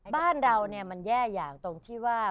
บ้านเรามันแย่อย่างตรงที่ว่า